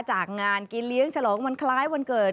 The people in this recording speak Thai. จากงานกินเลี้ยงฉลองวันคล้ายวันเกิด